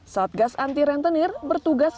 satgas anti rentenir bertugas